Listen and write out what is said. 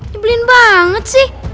dibelin banget sih